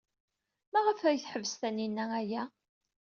Maɣef ay teḥbes Taninna aya?